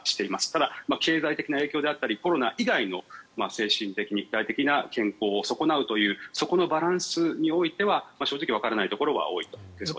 ただ、経済的な影響であったりコロナ以外の精神的・肉体的な健康を損なうというそこのバランスにおいては正直、わからないところが多いとは思います。